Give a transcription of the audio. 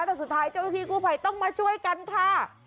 แต่สุดท้ายเจ้าที่กู้ภัยต้องมาช่วยกันค่ะ